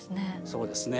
そうですね。